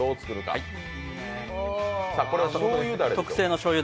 特製のしょうゆ